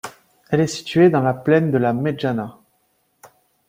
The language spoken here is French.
Elle est située dans la plaine de la Medjana.